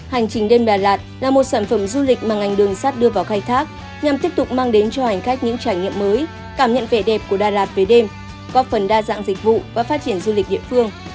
hành trình đêm đà lạt là một sản phẩm du lịch mà ngành đường sắt đưa vào khai thác nhằm tiếp tục mang đến cho hành khách những trải nghiệm mới cảm nhận vẻ đẹp của đà lạt về đêm góp phần đa dạng dịch vụ và phát triển du lịch địa phương